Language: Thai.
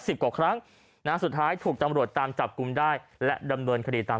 กว่าครั้งนะสุดท้ายถูกตำรวจตามจับกลุ่มได้และดำเนินคดีตาม